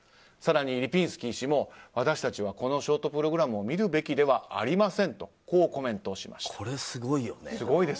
更に、リピンスキー氏も私たちはこのショートプログラムを見るべきではありませんとコメントをしました。